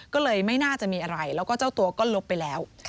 ก็เลยไม่น่าจะมีอะไรแล้วก็เจ้าตัวก็ลบไปแล้ว